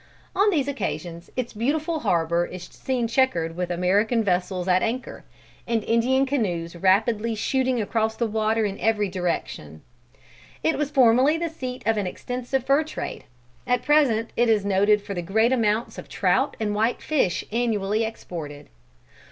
On these occasions its beautiful harbor is seen checkered with American vessels at anchor, and Indian canoes rapidly shooting across the water in every direction. "It was formerly the seat of an extensive fur trade; at present it is noted for the great amount of trout and white fish annually exported.